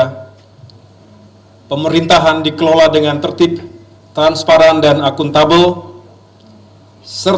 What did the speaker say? hai pemerintahan dikelola dengan tertib transparan dan akuntabel